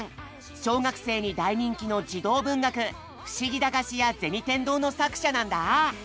小学生に大人気の児童文学「ふしぎ駄菓子屋銭天堂」の作者なんだ。